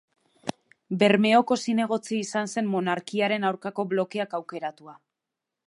Bermeoko zinegotzi izan zen monarkiaren aurkako blokeak aukeratua.